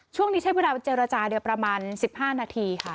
ช่วงนี้ใช้เวลาเจรจาประมาณ๑๕นาทีค่ะ